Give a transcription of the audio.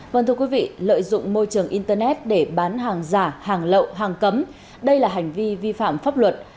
vâng thưa quý vị lợi dụng môi trường internet để bán hàng giả hàng lậu hàng cấm đây là hành vi vi phạm pháp luật